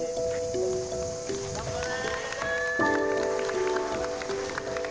頑張れ！